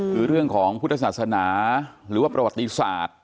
คือเรื่องของพุทธศาสนาหรือว่าประวัติศาสตร์